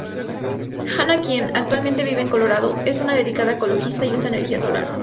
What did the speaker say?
Hannah, quien actualmente vive en Colorado, es una dedicada ecologista y usa energía solar.